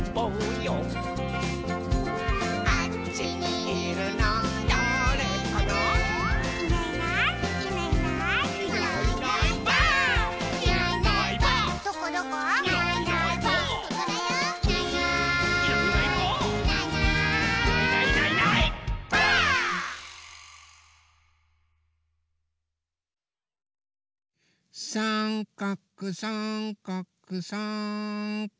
さんかくさんかくさんかくっと。